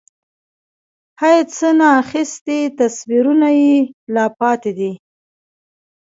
هَی؛ څه نا اخیستي تصویرونه یې لا پاتې دي